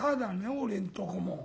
俺んとこも。